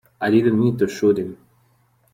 I didn't mean to shoot him.